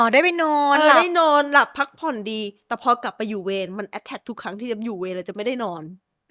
ได้ไปนอนได้นอนหลับพักผ่อนดีแต่พอกลับไปอยู่เวรมันแอดแท็กทุกครั้งที่จะอยู่เวรแล้วจะไม่ได้นอน